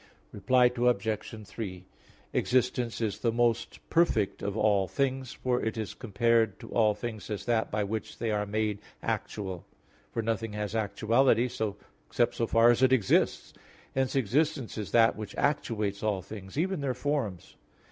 Reply Obj. 3: Existence is the most perfect of all things, for it is compared to all things as that by which they are made actual; for nothing has actuality except so far as it exists. Hence existence is that which actuates all things, even their forms.